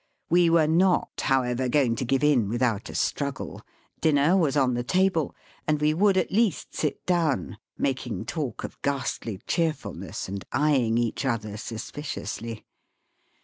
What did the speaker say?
We were not, however, going to give in without a struggle. Dinner was on the table, and we would at least sit down, making talk of ghastly cheerfulness and eyeing each other suspiciously.